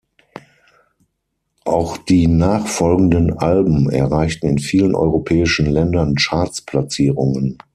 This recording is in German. Auch die nachfolgenden Alben erreichten in vielen europäischen Ländern Charts-Platzierungen.